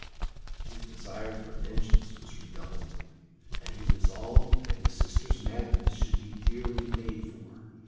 His desire for vengeance was redoubled, and he resolved that his sister's madness should be dearly paid for.